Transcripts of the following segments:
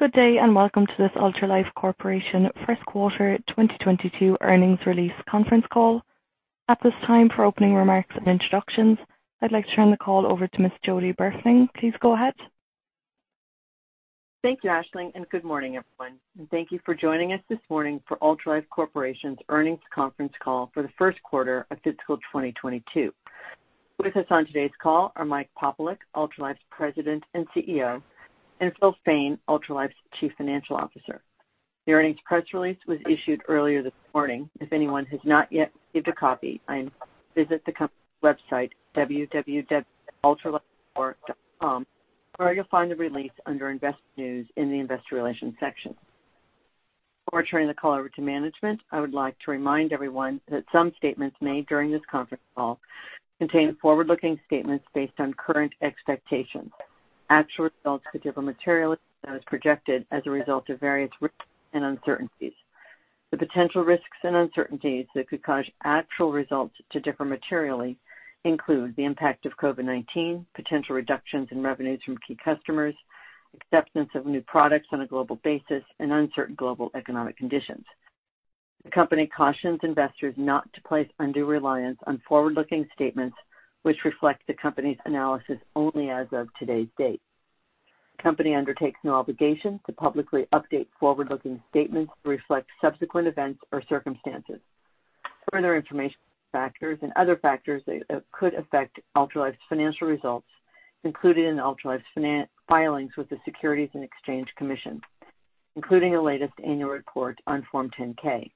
Good day, and welcome to this Ultralife Corporation First Quarter 2022 Earnings Release Conference Call. At this time, for opening remarks and introductions, I'd like to turn the call over to Ms. Jody Burfening. Please go ahead. Thank you, Ashley, and good morning, everyone. Thank you for joining us this morning for Ultralife Corporation's Earnings Conference Call for the First Quarter of Fiscal 2022. With us on today's call are Michael Popielec, Ultralife's President and CEO, and Philip Fain, Ultralife's Chief Financial Officer. The earnings press release was issued earlier this morning. If anyone has not yet received a copy and visit the company's website, www.ultralifecorp.com, where you'll find the release under Investor News in the Investor Relations section. Before turning the call over to management, I would like to remind everyone that some statements made during this conference call contain forward-looking statements based on current expectations. Actual results could differ materially as projected as a result of various risks and uncertainties. The potential risks and uncertainties that could cause actual results to differ materially include the impact of COVID-19, potential reductions in revenues from key customers, acceptance of new products on a global basis, and uncertain global economic conditions. The company cautions investors not to place undue reliance on forward-looking statements, which reflect the company's analysis only as of today's date. The company undertakes no obligation to publicly update forward-looking statements to reflect subsequent events or circumstances. Further information on factors and other factors that could affect Ultralife's financial results included in Ultralife's filings with the Securities and Exchange Commission, including the latest annual report on Form 10-K.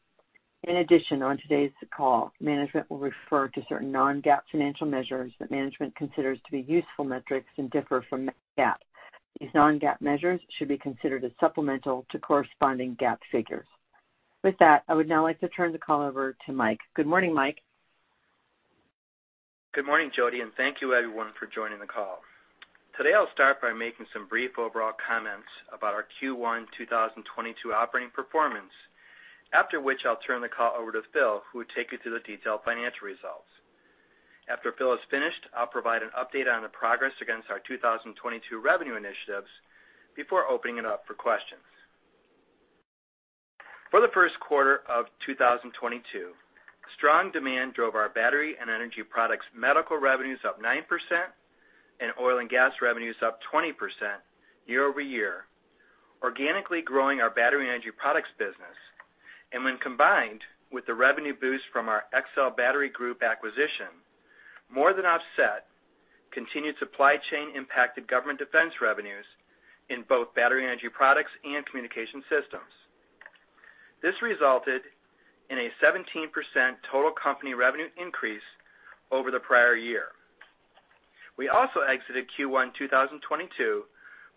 In addition, on today's call, management will refer to certain non-GAAP financial measures that management considers to be useful metrics and differ from GAAP. These non-GAAP measures should be considered as supplemental to corresponding GAAP figures. With that, I would now like to turn the call over to Mike. Good morning, Mike. Good morning, Jody, and thank you everyone for joining the call. Today, I'll start by making some brief overall comments about our Q1 2022 Operating Performance. After which, I'll turn the call over to Phil, who will take you through the detailed financial results. After Phil is finished, I'll provide an update on the progress against our 2022 revenue initiatives before opening it up for questions. For the first quarter of 2022, strong demand drove our Battery & Energy Products medical revenues up 9% and oil and gas revenues up 20% year-over-year, organically growing our Battery & Energy Products business. When combined with the revenue boost from our Excell Battery Group acquisition, more than offset continued supply chain impacted government defense revenues in both Battery & Energy Products and Communications Systems. This resulted in a 17% total company revenue increase over the prior year. We also exited Q1 2022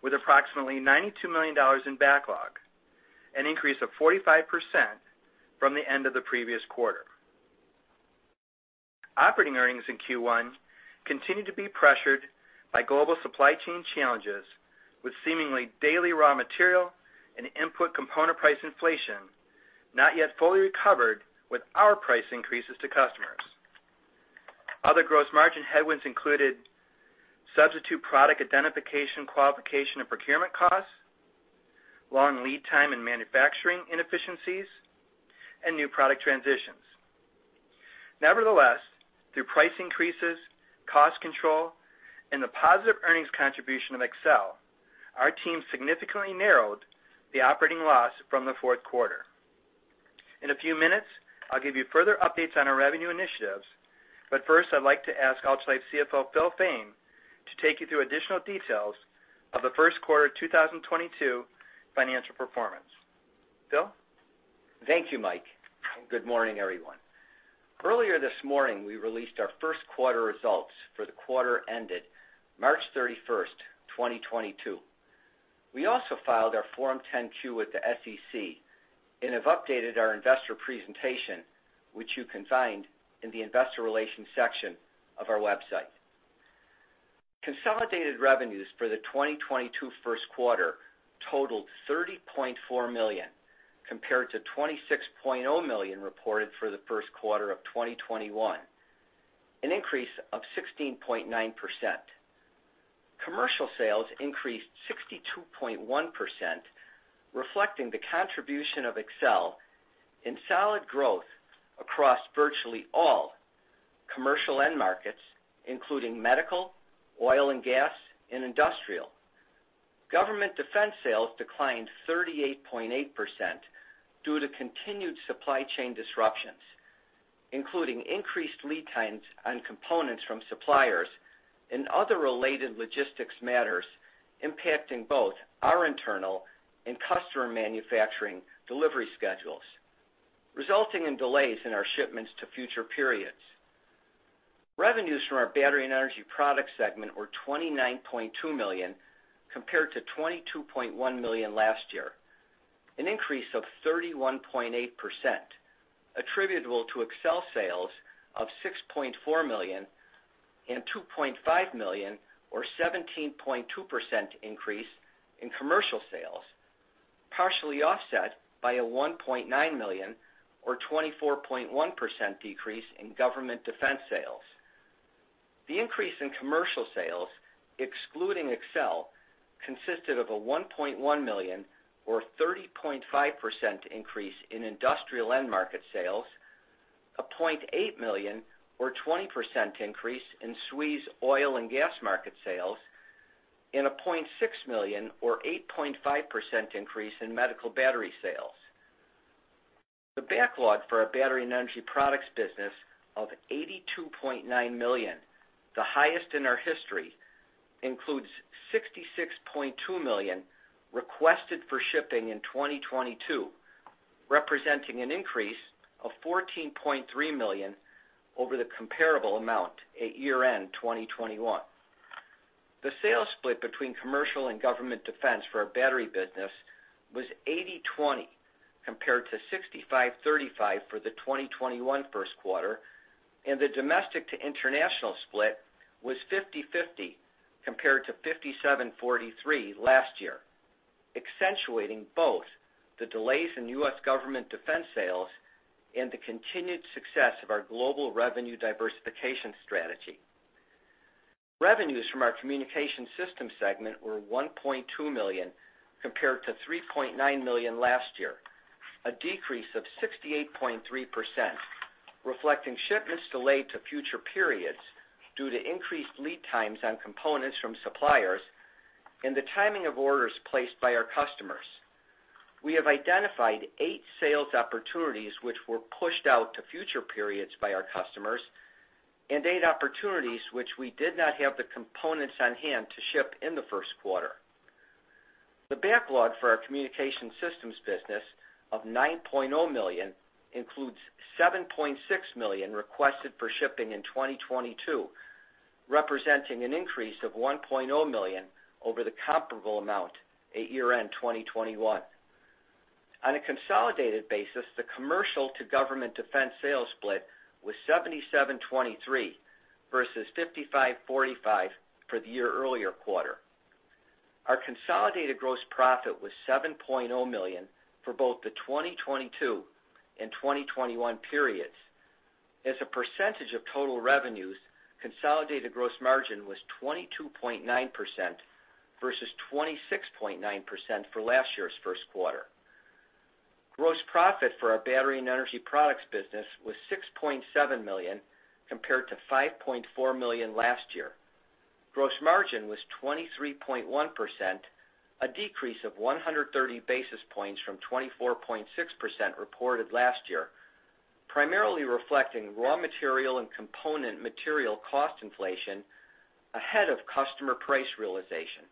with approximately $92 million in backlog, an increase of 45% from the end of the previous quarter. Operating earnings in Q1 continued to be pressured by global supply chain challenges with seemingly daily raw material and input component price inflation, not yet fully recovered with our price increases to customers. Other gross margin headwinds included substitute product identification, qualification, and procurement costs, long lead time and manufacturing inefficiencies, and new product transitions. Nevertheless, through price increases, cost control, and the positive earnings contribution of Excell, our team significantly narrowed the operating loss from the fourth quarter. In a few minutes, I'll give you further updates on our revenue initiatives, but first, I'd like to ask Ultralife CFO, Philip Fain, to take you through additional details of the First Quarter 2022 Financial Performance. Phil. Thank you, Mike. Good morning, everyone. Earlier this morning, we released our first quarter results for the quarter ended March 31, 2022. We also filed our Form 10-Q with the SEC and have updated our investor presentation, which you can find in the investor relations section of our website. Consolidated revenues for the 2022 first quarter totaled $30.4 million, compared to $26.0 million reported for the first quarter of 2021, an increase of 16.9%. Commercial sales increased 62.1%, reflecting the contribution of Excell and solid growth across virtually all commercial end markets, including medical, oil and gas, and industrial. Government defense sales declined 38.8% due to continued supply chain disruptions, including increased lead times on components from suppliers and other related logistics matters impacting both our internal and customer manufacturing delivery schedules, resulting in delays in our shipments to future periods. Revenues from our Battery & Energy Products segment were $29.2 million, compared to $22.1 million last year, an increase of 31.8% attributable to Excell sales of $6.4 million and $2.5 million or 17.2% increase in commercial sales, partially offset by a $1.9 million or 24.1% decrease in government defense sales. The increase in commercial sales, excluding Excell, consisted of a $1.1 million or 30.5% increase in industrial end market sales, a $0.8 million or 20% increase in SWE's oil and gas market sales, and a $0.6 million or 8.5% increase in medical battery sales. The backlog for our battery and energy products business of $82.9 million, the highest in our history, includes $66.2 million requested for shipping in 2022, representing an increase of $14.3 million over the comparable amount at year-end 2021. The sales split between commercial and government defense for our battery business was 80-20, compared to 65-35 for the 2021 first quarter, and the domestic to international split was 50-50, compared to 57-43 last year, accentuating both the delays in U.S. government defense sales and the continued success of our global revenue diversification strategy. Revenues from our Communications Systems segment were $1.2 million compared to $3.9 million last year, a decrease of 68.3%, reflecting shipments delayed to future periods due to increased lead times on components from suppliers and the timing of orders placed by our customers. We have identified 8 sales opportunities which were pushed out to future periods by our customers and 8 opportunities which we did not have the components on hand to ship in the first quarter. The backlog for our Communications Systems business of $9.0 million includes $7.6 million requested for shipping in 2022, representing an increase of $1.0 million over the comparable amount at year-end 2021. On a consolidated basis, the commercial to government defense sales split was 77-23 versus 55-45 for the year earlier quarter. Our consolidated gross profit was $7.0 million for both the 2022 and 2021 periods. As a percentage of total revenues, consolidated gross margin was 22.9% versus 26.9% for last year's first quarter. Gross profit for our Battery & Energy Products business was $6.7 million compared to $5.4 million last year. Gross margin was 23.1%, a decrease of 130 basis points from 24.6% reported last year, primarily reflecting raw material and component material cost inflation ahead of customer price realization,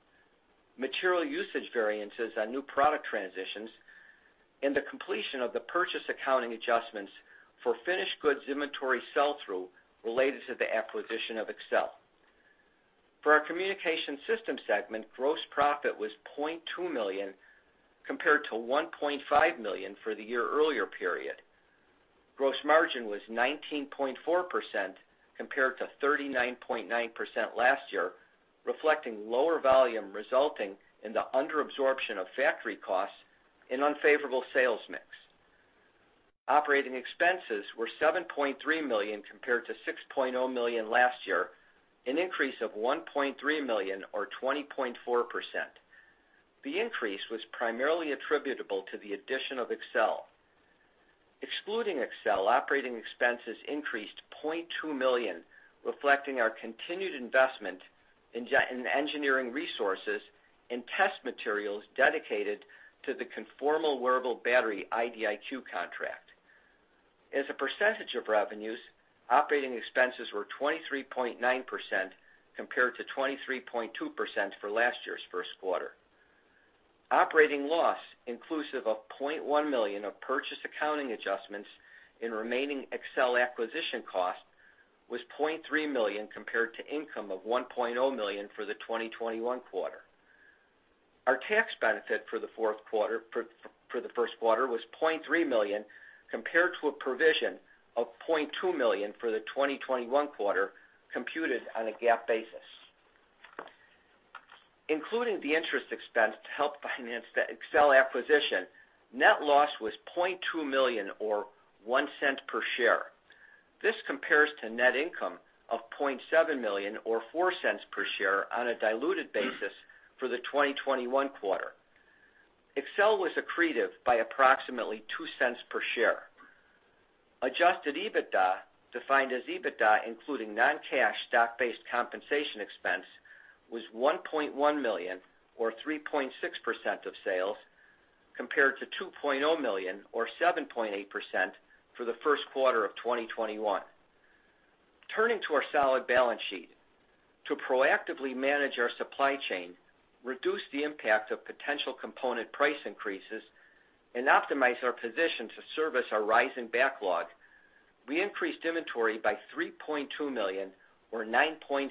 material usage variances on new product transitions, and the completion of the purchase accounting adjustments for finished goods inventory sell-through related to the acquisition of Excell. For our Communications Systems segment, gross profit was $0.2 million compared to $1.5 million for the year earlier period. Gross margin was 19.4% compared to 39.9% last year, reflecting lower volume resulting in the underabsorption of factory costs and unfavorable sales mix. Operating expenses were $7.3 million compared to $6.0 million last year, an increase of $1.3 million or 20.4%. The increase was primarily attributable to the addition of Excell. Excluding Excell, operating expenses increased $0.2 million, reflecting our continued investment in engineering resources and test materials dedicated to the Conformal Wearable Battery IDIQ contract. As a percentage of revenues, operating expenses were 23.9% compared to 23.2% for last year's first quarter. Operating loss, inclusive of $0.1 million of purchase accounting adjustments in remaining Excell acquisition costs, was $0.3 million compared to income of $1.0 million for the 2021 quarter. Our tax benefit for the first quarter was $0.3 million compared to a provision of $0.2 million for the 2021 quarter computed on a GAAP basis. Including the interest expense to help finance the Excell acquisition, net loss was $0.2 million or $0.01 per share. This compares to net income of $0.7 million or $0.04 per share on a diluted basis for the 2021 quarter. Excell was accretive by approximately $0.02 per share. Adjusted EBITDA, defined as EBITDA including non-cash stock-based compensation expense, was $1.1 million or 3.6% of sales compared to $2.0 million or 7.8% for the first quarter of 2021. Turning to our solid balance sheet. To proactively manage our supply chain, reduce the impact of potential component price increases, and optimize our position to service our rising backlog, we increased inventory by $3.2 million or 9.6%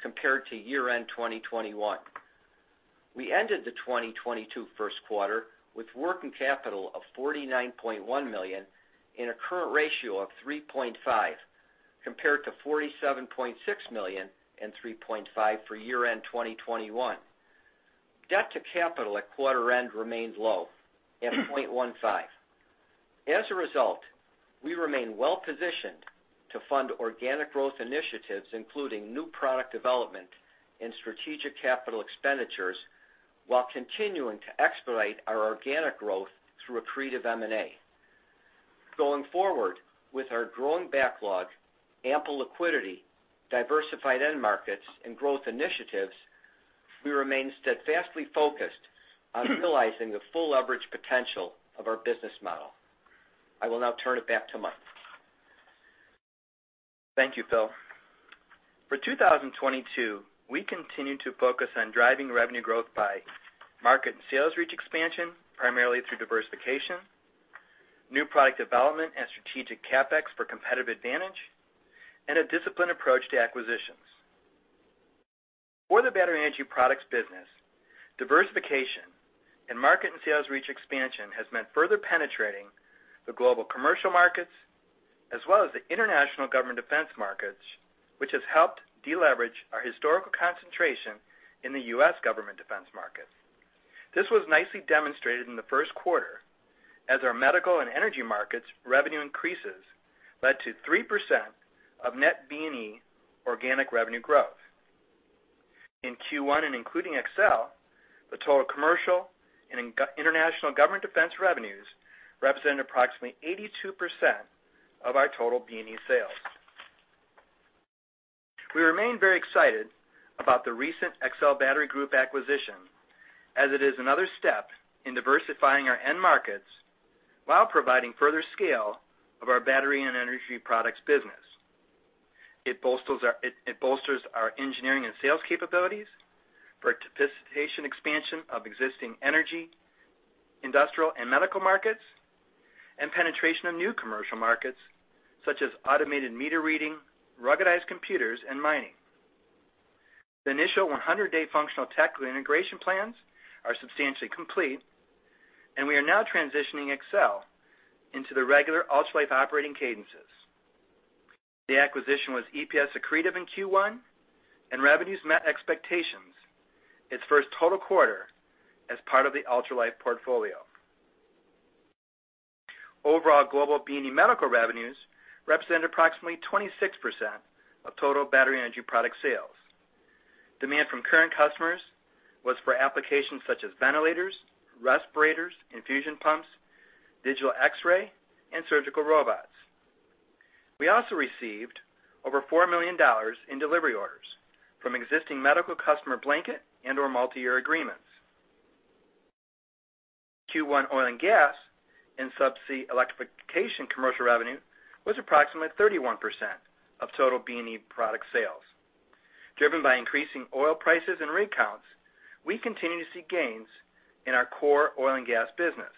compared to year-end 2021. We ended the 2022 first quarter with working capital of $49.1 million in a current ratio of 3.5 compared to $47.6 million and 3.5 for year-end 2021. Debt to capital at quarter end remains low at 0.15. As a result, we remain well-positioned to fund organic growth initiatives, including new product development and strategic capital expenditures, while continuing to expedite our organic growth through accretive M&A. Going forward, with our growing backlog, ample liquidity, diversified end markets, and growth initiatives, we remain steadfastly focused on utilizing the full leverage potential of our business model. I will now turn it back to Mike. Thank you, Phil. For 2022, we continue to focus on driving revenue growth by market and sales reach expansion, primarily through diversification, new product development and strategic CapEx for competitive advantage, and a disciplined approach to acquisitions. For the battery energy products business, diversification and market and sales reach expansion has meant further penetrating the global commercial markets, as well as the international government defense markets, which has helped deleverage our historical concentration in the U.S. government defense market. This was nicely demonstrated in the first quarter as our medical and energy markets revenue increases led to 3% net BNE organic revenue growth. In Q1, and including Excell, the total commercial and international government defense revenues represented approximately 82% of our total BNE sales. We remain very excited about the recent Excell Battery Group acquisition, as it is another step in diversifying our end markets while providing further scale of our battery and energy products business. It bolsters our engineering and sales capabilities for sophisticated expansion of existing energy, industrial, and medical markets, and penetration of new commercial markets such as automated meter reading, ruggedized computers, and mining. The initial 100-day functional tech integration plans are substantially complete, and we are now transitioning Excell into the regular Ultralife operating cadences. The acquisition was EPS accretive in Q1, and revenues met expectations, its first total quarter as part of the Ultralife portfolio. Overall global BNE medical revenues represent approximately 26% of total battery energy product sales. Demand from current customers was for applications such as ventilators, respirators, infusion pumps, digital X-ray, and surgical robots. We also received over $4 million in delivery orders from existing medical customer blanket and/or multiyear agreements. Q1 oil and gas and subsea electrification commercial revenue was approximately 31% of total BNE product sales. Driven by increasing oil prices and rig counts, we continue to see gains in our core oil and gas business.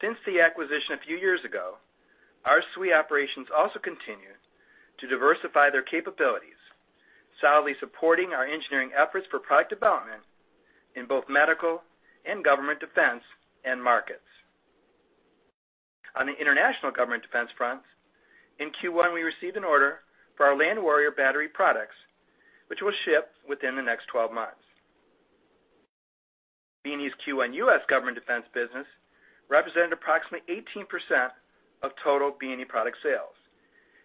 Since the acquisition a few years ago, our SWE operations also continue to diversify their capabilities, solidly supporting our engineering efforts for product development in both medical and government defense end markets. On the international government defense front, in Q1, we received an order for our Land Warrior battery products, which will ship within the next 12 months. BNE's Q1 U.S. government defense business represented approximately 18% of total BNE product sales,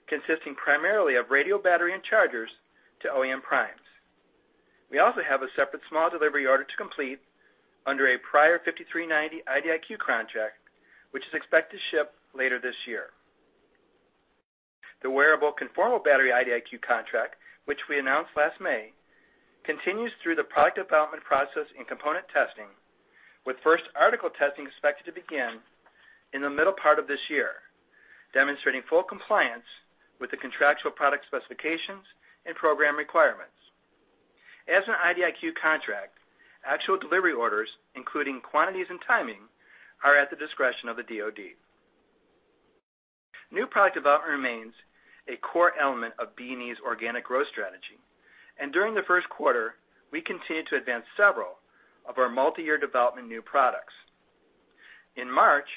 consisting primarily of radio battery and chargers to OEM primes. We also have a separate small delivery order to complete under a prior BA-5390 IDIQ contract, which is expected to ship later this year. The Conformal Wearable Battery IDIQ contract, which we announced last May, continues through the product development process and component testing, with first article testing expected to begin in the middle part of this year, demonstrating full compliance with the contractual product specifications and program requirements. As an IDIQ contract, actual delivery orders, including quantities and timing, are at the discretion of the DoD. New product development remains a core element of BNE's organic growth strategy, and during the first quarter, we continued to advance several of our multiyear development new products. In March,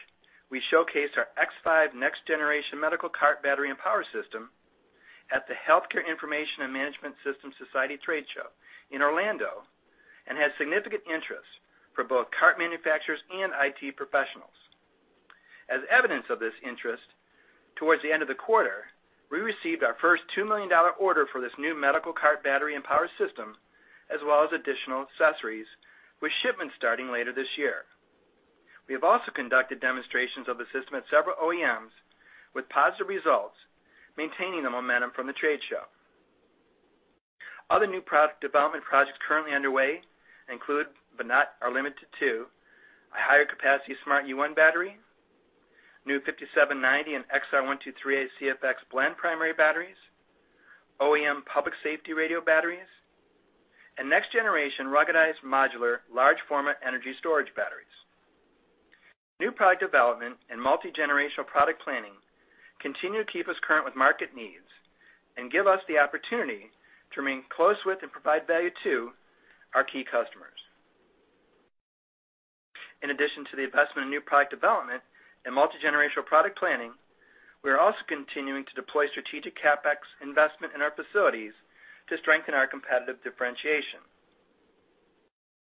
we showcased our X5 next generation medical cart battery and power system at the Healthcare Information and Management Systems Society trade show in Orlando and had significant interest for both cart manufacturers and IT professionals. As evidence of this interest, towards the end of the quarter, we received our first $2 million order for this new medical cart battery and power system, as well as additional accessories, with shipments starting later this year. We have also conducted demonstrations of the system at several OEMs with positive results, maintaining the momentum from the trade show. Other new product development projects currently underway include, but are not limited to, a higher capacity Smart UN battery, new 5790 and XR123 CFx blend primary batteries, OEM public safety radio batteries, and next generation ruggedized modular large format energy storage batteries. New product development and multigenerational product planning continue to keep us current with market needs and give us the opportunity to remain close with and provide value to our key customers. In addition to the investment in new product development and multigenerational product planning, we are also continuing to deploy strategic CapEx investment in our facilities to strengthen our competitive differentiation.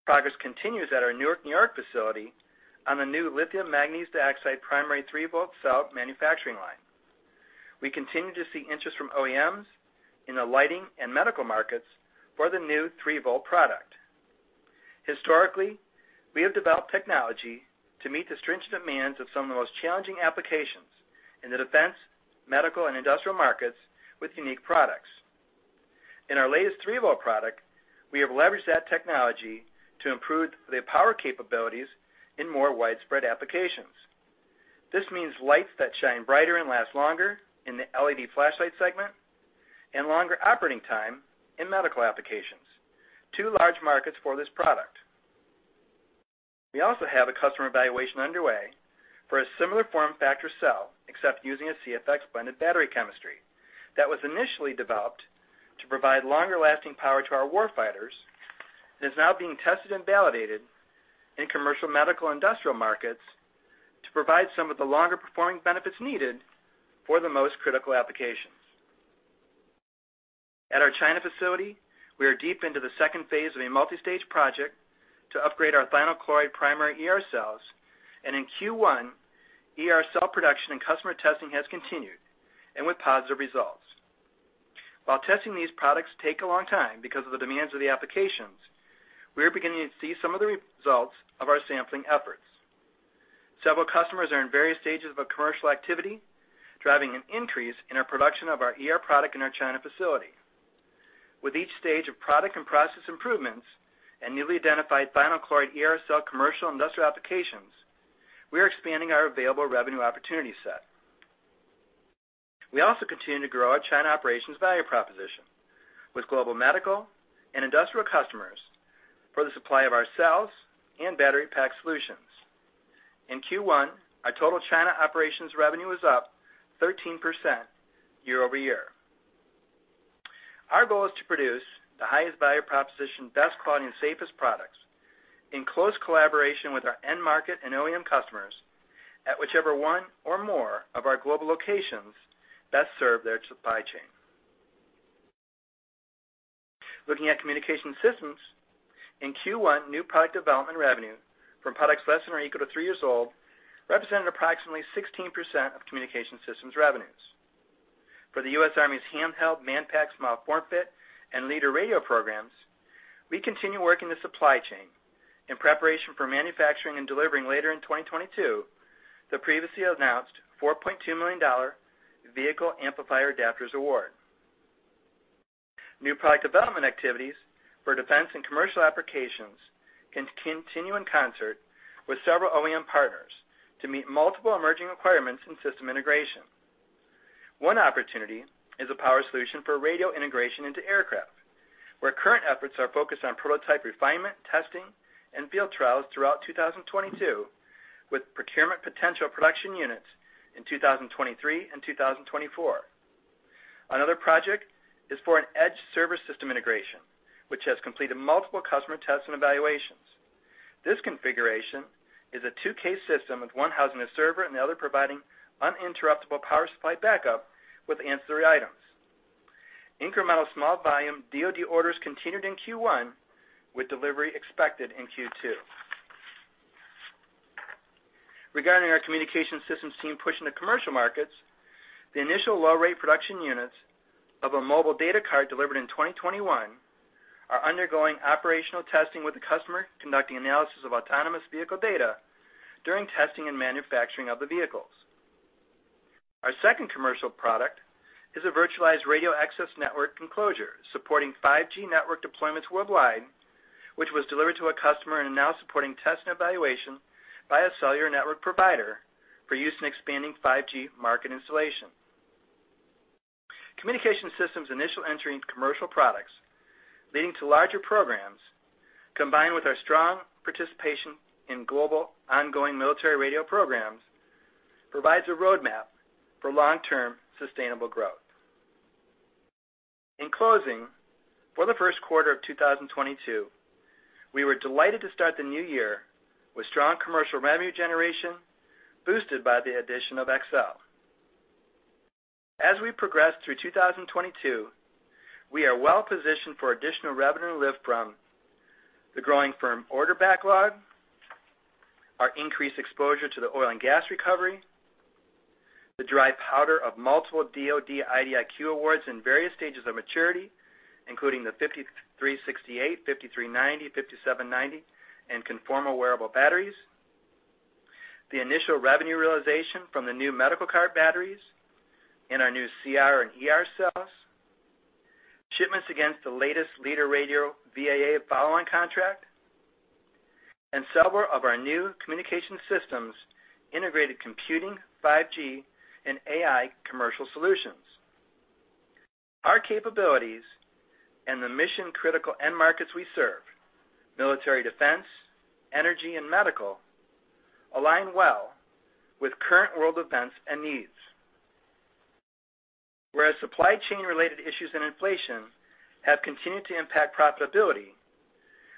Progress continues at our Newark, New York facility on the new lithium manganese dioxide primary 3-volt cell manufacturing line. We continue to see interest from OEMs in the lighting and medical markets for the new 3-volt product. Historically, we have developed technology to meet the stringent demands of some of the most challenging applications in the defense, medical, and industrial markets with unique products. In our latest 3-volt product, we have leveraged that technology to improve the power capabilities in more widespread applications. This means lights that shine brighter and last longer in the LED flashlight segment and longer operating time in medical applications. Two large markets for this product. We also have a customer evaluation underway for a similar form factor cell, except using a CFX blended battery chemistry that was initially developed to provide longer-lasting power to our war fighters, and is now being tested and validated in commercial, medical, and industrial markets to provide some of the longer performing benefits needed for the most critical applications. At our China facility, we are deep into the second phase of a multistage project to upgrade our thionyl chloride primary ER cells, and in Q1, ER cell production and customer testing has continued, and with positive results. While testing these products take a long time because of the demands of the applications, we are beginning to see some of the results of our sampling efforts. Several customers are in various stages of a commercial activity, driving an increase in our production of our ER product in our China facility. With each stage of product and process improvements and newly identified thionyl chloride ER cell commercial industrial applications, we are expanding our available revenue opportunity set. We also continue to grow our China operations value proposition with global medical and industrial customers for the supply of our cells and battery pack solutions. In Q1, our total China operations revenue was up 13% year-over-year. Our goal is to produce the highest value proposition, best quality, and safest products in close collaboration with our end market and OEM customers at whichever one or more of our global locations best serve their supply chain. Looking at Communications Systems, in Q1, new product development revenue from products less than or equal to three years old represented approximately 16% of Communications Systems revenues. For the U.S. Army's Handheld Manpack Small Form Fit and Leader Radio programs, we continue working the supply chain in preparation for manufacturing and delivering later in 2022 the previously announced $4.2 million vehicle amplifier adapters award. New product development activities for defense and commercial applications continue in concert with several OEM partners to meet multiple emerging requirements in system integration. One opportunity is a power solution for radio integration into aircraft, where current efforts are focused on prototype refinement, testing, and field trials throughout 2022, with procurement potential production units in 2023 and 2024. Another project is for an edge server system integration, which has completed multiple customer tests and evaluations. This configuration is a two-case system with one housing a server and the other providing uninterruptible power supply backup with ancillary items. Incremental small volume DoD orders continued in Q1, with delivery expected in Q2. Regarding our Communications Systems team push in the commercial markets, the initial low rate production units of a mobile data card delivered in 2021 are undergoing operational testing with the customer conducting analysis of autonomous vehicle data during testing and manufacturing of the vehicles. Our second commercial product is a virtualized radio access network enclosure supporting 5G network deployments worldwide, which was delivered to a customer and now supporting test and evaluation by a cellular network provider for use in expanding 5G market installation. Communications Systems initial entry into commercial products leading to larger programs, combined with our strong participation in global ongoing military radio programs, provides a roadmap for long-term sustainable growth. In closing, for the first quarter of 2022, we were delighted to start the new year with strong commercial revenue generation boosted by the addition of Excell. As we progress through 2022, we are well positioned for additional revenue lift from the growing firm order backlog, our increased exposure to the oil and gas recovery, the dry powder of multiple DoD IDIQ awards in various stages of maturity, including the BA-5368, BA-5390, BA-5790, and Conformal Wearable Battery. The initial revenue realization from the new medical cart batteries and our new CR and ER cells. Shipments against the latest Leader Radio VAA follow-on contract. Several of our new communications systems integrated computing, 5G, and AI commercial solutions. Our capabilities and the mission-critical end markets we serve, military defense, energy, and medical, align well with current world events and needs. Whereas supply chain related issues and inflation have continued to impact profitability,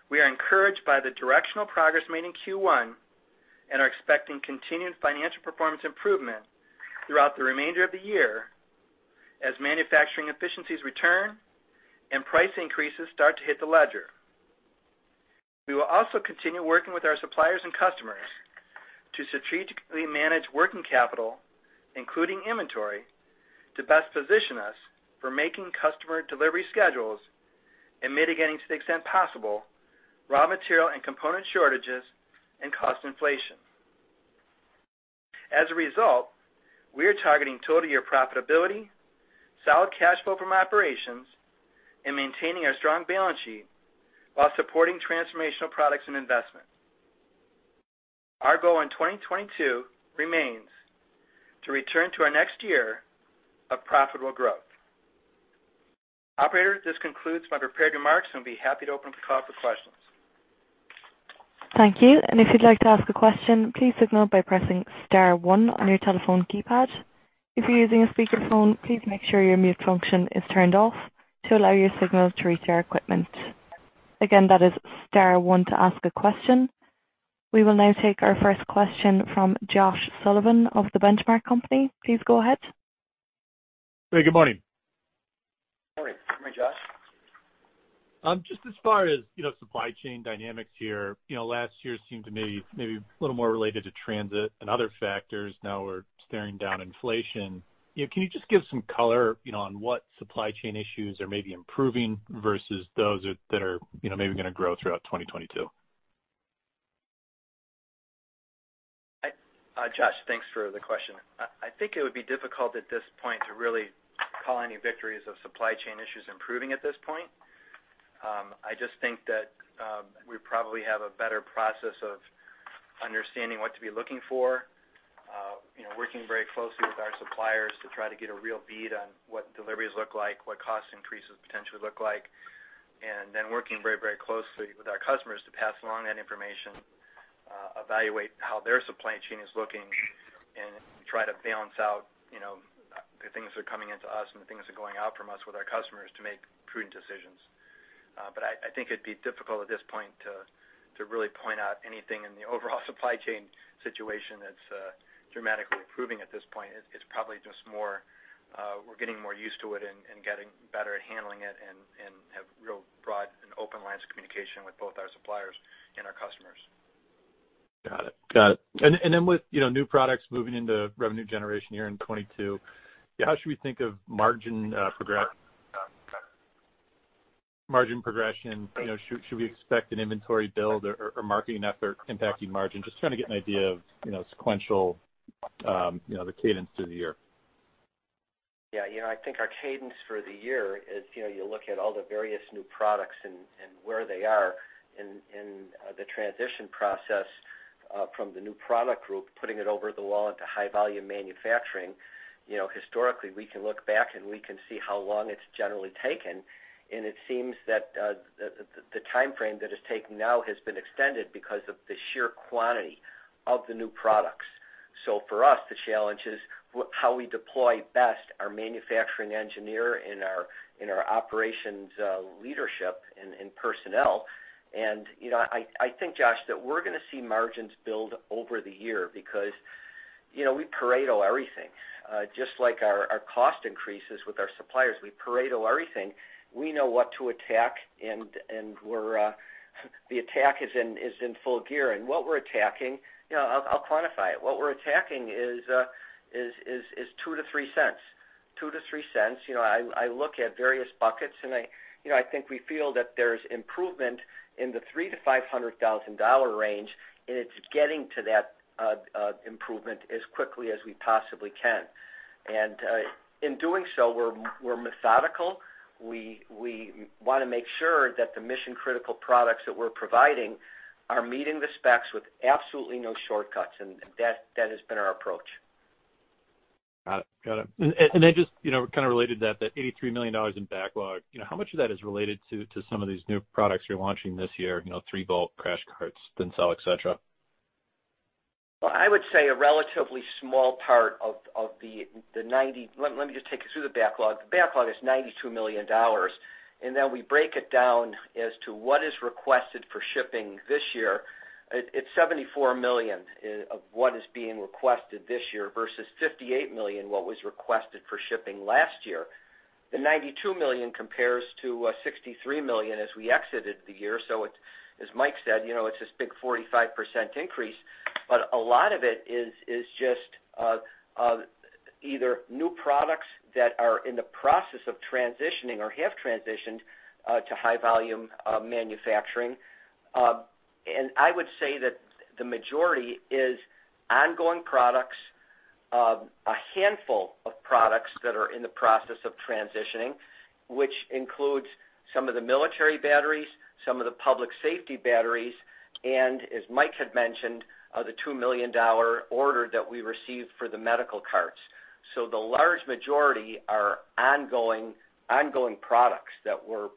we are encouraged by the directional progress made in Q1 and are expecting continued financial performance improvement throughout the remainder of the year as manufacturing efficiencies return and price increases start to hit the ledger. We will also continue working with our suppliers and customers to strategically manage working capital, including inventory, to best position us for making customer delivery schedules and mitigating, to the extent possible, raw material and component shortages and cost inflation. As a result, we are targeting total year profitability, solid cash flow from operations, and maintaining our strong balance sheet while supporting transformational products and investments. Our goal in 2022 remains to return to our next year of profitable growth. Operator, this concludes my prepared remarks, and we'll be happy to open the call for questions. Thank you. If you'd like to ask a question, please signal by pressing star one on your telephone keypad. If you're using a speakerphone, please make sure your mute function is turned off to allow your signal to reach our equipment. Again, that is star one to ask a question. We will now take our first question from Josh Sullivan of The Benchmark Company. Please go ahead. Hey, good morning. Morning. Good morning, Josh. Just as far as, you know, supply chain dynamics here, you know, last year seemed to maybe a little more related to transit and other factors. Now we're staring down inflation. You know, can you just give some color, you know, on what supply chain issues are maybe improving versus those that are, you know, maybe gonna grow throughout 2022? Josh, thanks for the question. I think it would be difficult at this point to really call any victories of supply chain issues improving at this point. I just think that we probably have a better process of understanding what to be looking for, you know, working very closely with our suppliers to try to get a real bead on what deliveries look like, what cost increases potentially look like, and then working very, very closely with our customers to pass along that information, evaluate how their supply chain is looking and try to balance out, you know, the things that are coming into us and the things that are going out from us with our customers to make prudent decisions. I think it'd be difficult at this point to really point out anything in the overall supply chain situation that's dramatically improving at this point. It's probably just more we're getting more used to it and getting better at handling it and have real broad and open lines of communication with both our suppliers and our customers. Got it. Then with, you know, new products moving into revenue generation here in 2022, how should we think of margin progression? You know, should we expect an inventory build or marketing effort impacting margin? Just trying to get an idea of, you know, sequential, you know, the cadence through the year. Yeah. You know, I think our cadence for the year is, you know, you look at all the various new products and where they are in the transition process from the new product group, putting it over the wall into high volume manufacturing. You know, historically we can look back, and we can see how long it's generally taken, and it seems that the timeframe that it's taking now has been extended because of the sheer quantity of the new products. For us, the challenge is how we deploy best our manufacturing engineer and our operations leadership and personnel. You know, I think, Josh, that we're gonna see margins build over the year because, you know, we Pareto everything. Just like our cost increases with our suppliers, we Pareto everything. We know what to attack, and the attack is in full gear. What we're attacking, you know, I'll quantify it. What we're attacking is two to three cents. You know, I look at various buckets, and, you know, I think we feel that there's improvement in the $300,000-$500,000 range, and it's getting to that improvement as quickly as we possibly can. In doing so, we're methodical. We wanna make sure that the mission-critical products that we're providing are meeting the specs with absolutely no shortcuts, and that has been our approach. Got it. Just, you know, kind of related to that, the $83 million in backlog, you know, how much of that is related to some of these new products you're launching this year? You know, 3-volt CR cells, Thin Cell, et cetera. I would say a relatively small part of the ninety. Let me just take you through the backlog. The backlog is $92 million, and then we break it down as to what is requested for shipping this year. It's $74 million what is being requested this year versus $58 million what was requested for shipping last year. The $92 million compares to $63 million as we exited the year. As Mike said, you know, it's this big 45% increase, but a lot of it is just either new products that are in the process of transitioning or have transitioned to high volume manufacturing. I would say that the majority is ongoing products, a handful of products that are in the process of transitioning, which includes some of the military batteries, some of the public safety batteries, and as Mike had mentioned, the $2 million order that we received for the medical carts. The large majority are ongoing products that we're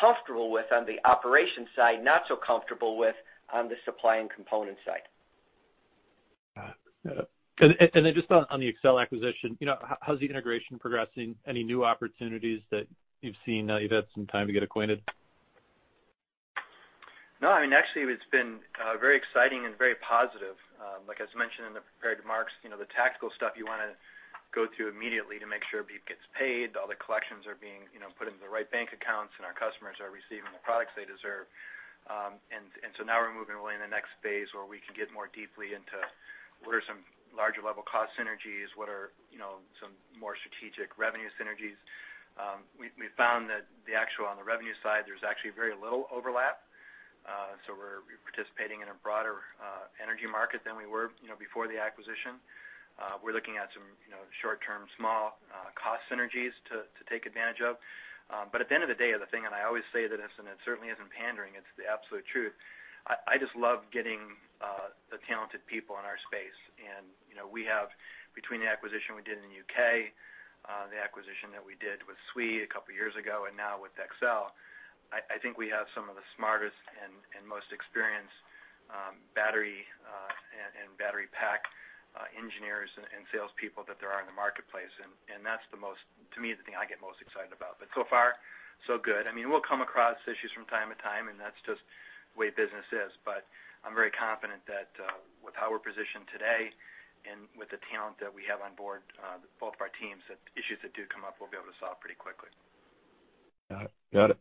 comfortable with on the operations side, not so comfortable with on the supply and component side. Got it. Just on the Excell acquisition, how's the integration progressing? Any new opportunities that you've seen now you've had some time to get acquainted? No, I mean, actually it's been very exciting and very positive. Like as mentioned in the prepared remarks, you know, the tactical stuff you wanna go through immediately to make sure everybody gets paid, all the collections are being, you know, put into the right bank accounts, and our customers are receiving the products they deserve. Now we're moving away in the next phase where we can get more deeply into what are some larger level cost synergies, what are, you know, some more strategic revenue synergies. We found that the actual on the revenue side, there's actually very little overlap, so we're participating in a broader energy market than we were, you know, before the acquisition. We're looking at some, you know, short-term small cost synergies to take advantage of. At the end of the day, the thing, and I always say that this, and it certainly isn't pandering, it's the absolute truth, I just love getting the talented people in our space. You know, we have between the acquisition we did in the UK, the acquisition that we did with SWE a couple years ago and now with Excell, I think we have some of the smartest and most experienced battery and battery pack engineers and salespeople that there are in the marketplace. That's the most. To me, the thing I get most excited about. So far, so good. I mean, we'll come across issues from time to time, and that's just the way business is. I'm very confident that, with how we're positioned today and with the talent that we have on board, both of our teams, that issues that do come up, we'll be able to solve pretty quickly. Got it.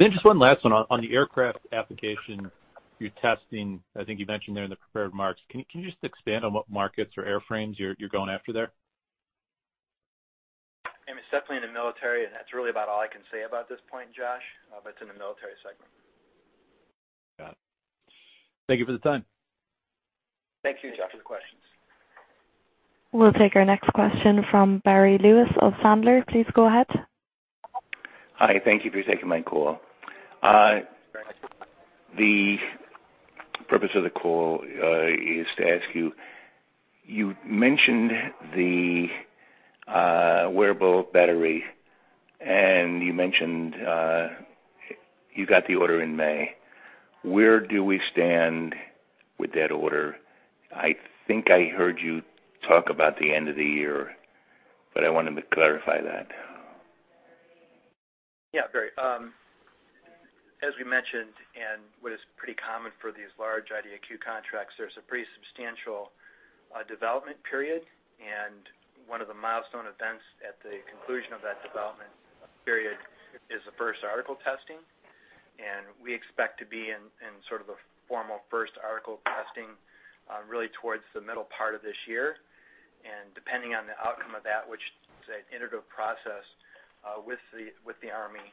Just one last one on the aircraft application you're testing, I think you mentioned there in the prepared remarks, can you just expand on what markets or airframes you're going after there? I mean, it's definitely in the military, and that's really about all I can say about this point, Josh. It's in the military segment. Got it. Thank you for the time. Thank you, Josh, for the questions. We'll take our next question from Barry Lewis of Sandler. Please go ahead. Hi. Thank you for taking my call. Very much. The purpose of the call is to ask you mentioned the wearable battery, and you mentioned you got the order in May. Where do we stand with that order? I think I heard you talk about the end of the year, but I wanted to clarify that. Yeah, Barry. As we mentioned, and what is pretty common for these large IDIQ contracts, there's a pretty substantial development period, and one of the milestone events at the conclusion of that development period is the first article testing. We expect to be in sort of a formal first article testing really towards the middle part of this year. Depending on the outcome of that, which is an iterative process with the Army,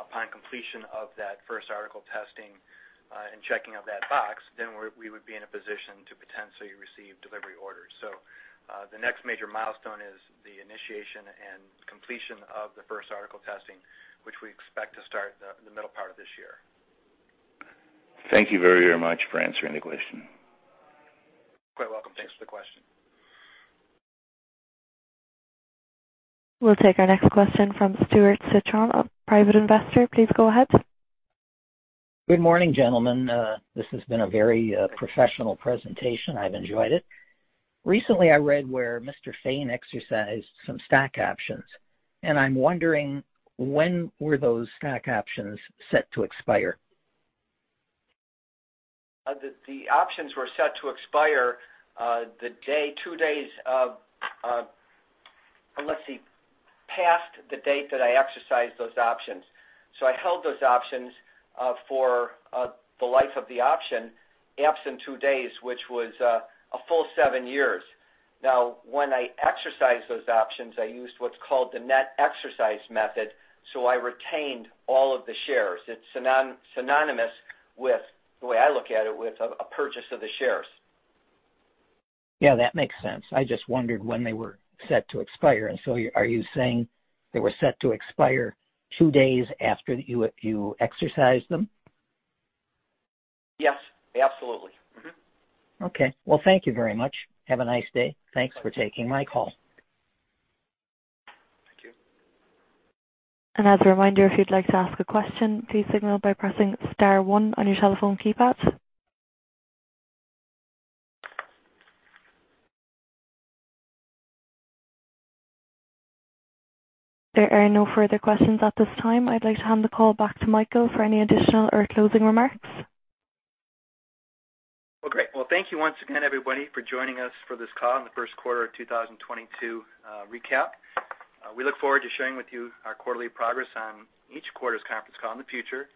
upon completion of that first article testing and checking of that box, then we would be in a position to potentially receive delivery orders. The next major milestone is the initiation and completion of the first article testing, which we expect to start the middle part of this year. Thank you very, very much for answering the question. You're quite welcome. Thanks for the question. We'll take our next question from Stuart Citron of Private Investor. Please go ahead. Good morning, gentlemen. This has been a very professional presentation. I've enjoyed it. Recently, I read where Mr. Fain exercised some stock options, and I'm wondering when were those stock options set to expire? The options were set to expire the day two days past the date that I exercised those options. I held those options for the life of the option, absent two days, which was a full seven years. Now, when I exercised those options, I used what's called the net exercise method, so I retained all of the shares. It's synonymous with the way I look at it with a purchase of the shares. Yeah, that makes sense. I just wondered when they were set to expire. Are you saying they were set to expire two days after you exercised them? Yes, absolutely. Mm-hmm. Okay. Well, thank you very much. Have a nice day. Thanks for taking my call. Thank you. As a reminder, if you'd like to ask a question, please signal by pressing star one on your telephone keypad. There are no further questions at this time. I'd like to hand the call back to Michael for any additional or closing remarks. Well, great. Well, thank you once again, everybody, for joining us for this call in the First Quarter of 2022 Recap. We look forward to sharing with you our quarterly progress on each quarter's conference call in the future.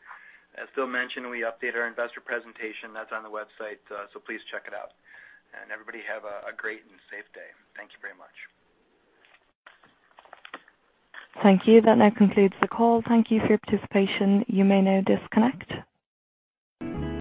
As Phil mentioned, we updated our investor presentation. That's on the website, so please check it out. Everybody have a great and safe day. Thank you very much. Thank you. That now concludes the call. Thank you for your participation. You may now disconnect.